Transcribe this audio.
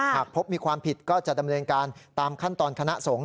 หากพบมีความผิดก็จะดำเนินการตามขั้นตอนคณะสงฆ